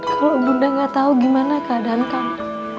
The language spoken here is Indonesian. kalau bunda nggak tahu gimana keadaan kamu